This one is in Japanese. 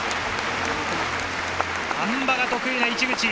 あん馬が得意な市口。